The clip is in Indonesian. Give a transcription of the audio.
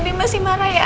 dia masih marah ya